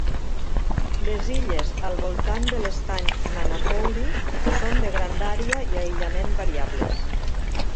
Les illes al voltant de l'estany Manapouri són de grandària i aïllament variables.